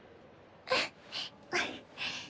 うん。